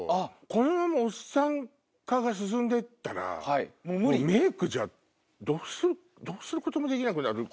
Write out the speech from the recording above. このままおっさん化が進んでったらメイクじゃどうすることもできなくなる気が。